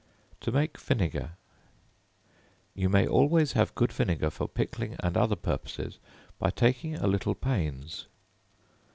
To Make Vinegar. You may always have good vinegar for pickling, and other purposes, by taking a little pains.